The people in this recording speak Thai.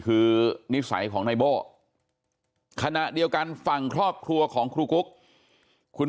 คือนิสัยของนายโบ้ขณะเดียวกันฝั่งครอบครัวของครูกุ๊กคุณ